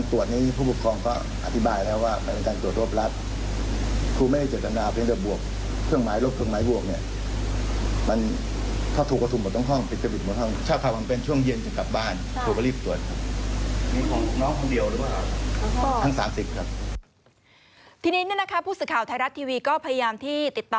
ทีนี้ผู้สื่อข่าวไทยรัฐทีวีก็พยายามที่ติดต่อ